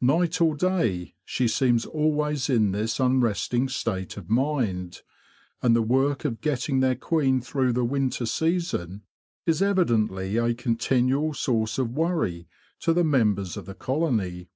Night or day, she seems always in this unresting state of mind, and the work of getting their queen through the winter season is evidently a continual source of worry to the mem bers of the colony.